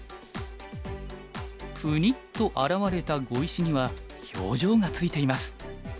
ぷにっと現れた碁石には表情がついています。